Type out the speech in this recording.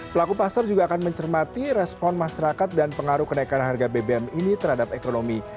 pelaku pasar juga akan mencermati respon masyarakat dan pengaruh kenaikan harga bbm ini terhadap ekonomi